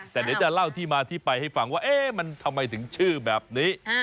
แต่เดี๋ยวจะเล่าที่มาที่ไปให้ฟังว่ามันทำไมถึงชื่อแบบนี้